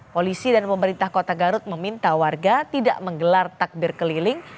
polisi dan pemerintah kota garut meminta warga tidak menggelar takbir keliling